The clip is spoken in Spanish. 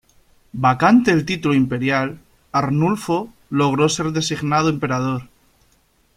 Vacante el título imperial, Arnulfo logró ser designado emperador.